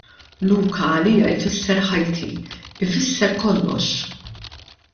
Luca għalija jfisser ħajti, ifisser kollox.